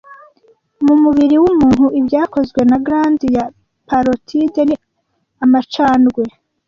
Mu mubiri w'umuntu ibyakozwe na glande ya parotide ni Amacanjwe